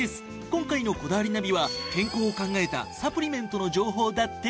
今回の『こだわりナビ』は健康を考えたサプリメントの情報だって。